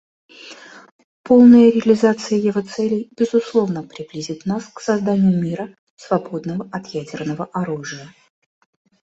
Полная реализация его целей, безусловно, приблизит нас к созданию мира, свободного от ядерного оружия.